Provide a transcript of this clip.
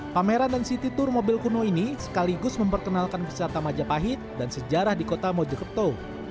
pameran dan city tour mobil kuno ini sekaligus memperkenalkan wisata majapahit dan sejarah di kota mojokerto